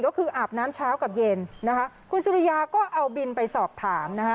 ก็คืออาบน้ำเช้ากับเย็นนะคะคุณสุริยาก็เอาบินไปสอบถามนะคะ